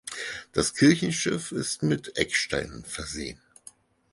Das Kirchenschiff ist mit Ecksteinen versehen.